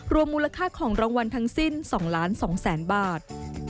มูลค่าของรางวัลทั้งสิ้น๒๒๐๐๐๐บาท